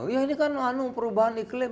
ya ini kan perubahan iklim